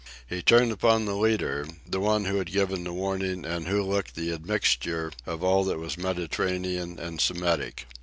He turned upon the leader, the one who had given the warning and who looked the admixture of all that was Mediterranean and Semitic.